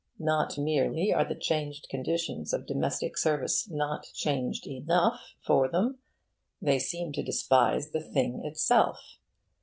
Not merely are the changed conditions of domestic service not changed enough for them: they seem to despise the thing itself.